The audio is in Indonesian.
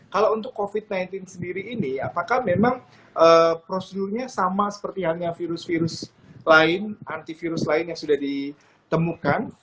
kalau untuk covid sembilan belas sendiri ini apakah memang prosedurnya sama seperti halnya virus virus lain antivirus lain yang sudah ditemukan